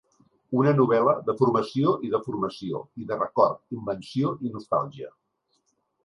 Una novel·la de formació i deformació, i de record, invenció i nostàlgia.